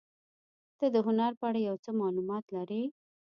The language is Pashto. ته د هنر په اړه یو څه معلومات لرې؟